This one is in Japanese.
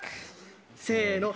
せの！